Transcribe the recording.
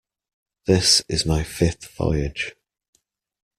This is my fifth voyage.